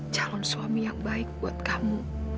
calon suami yang baik buat kamu